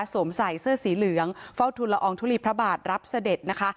สวมใส่เสื้อสีเหลืองเฝ้าทุนละอองทุลีพระบาทรับเสด็จนะคะ